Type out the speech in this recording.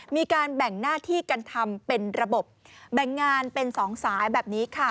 มีการแบ่งหน้าที่กันทำเป็นระบบแบ่งงานเป็นสองสายแบบนี้ค่ะ